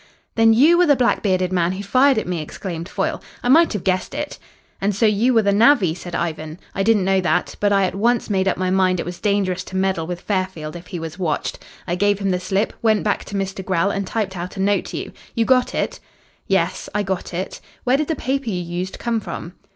"Then you were the black bearded man who fired at me!" exclaimed Foyle. "I might have guessed it." "And so you were the navvy!" said Ivan. "I didn't know that, but I at once made up my mind it was dangerous to meddle with Fairfield if he was watched. I gave him the slip, went back to Mr. Grell, and typed out a note to you. You got it?" "Yes. I got it. Where did the paper you used come from?"